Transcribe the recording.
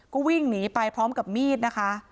ก็วิ่งหนีไปพร้อมกับมีดนะคะ